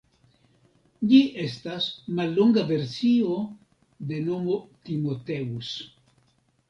Ĝi estas mallonga versio de nomo Timoteus.